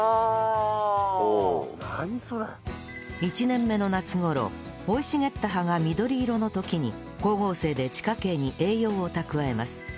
１年目の夏頃生い茂った葉が緑色の時に光合成で地下茎に栄養を蓄えます